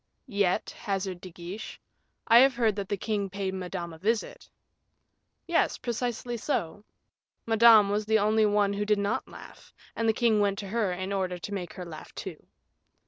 "Yet," hazarded De Guiche, "I have heard that the king paid Madame a visit." "Yes, precisely so. Madame was the only one who did not laugh, and the king went to her in order to make her laugh, too."